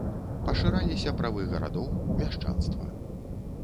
Пашыраліся правы гарадоў, мяшчанства.